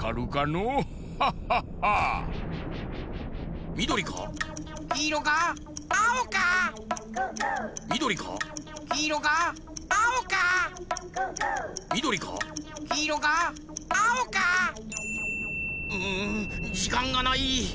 うんじかんがない！